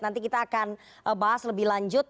nanti kita akan bahas lebih lanjut